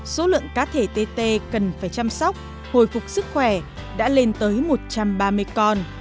số lượng cá thể tt cần phải chăm sóc hồi phục sức khỏe đã lên tới một trăm ba mươi con